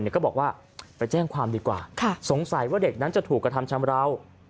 ก็บอกว่าไปแจ้งความดีกว่าสงสัยว่าเด็กนั้นจะถูกกระทำชำราว